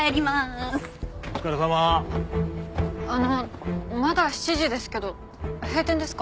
あのまだ７時ですけど閉店ですか？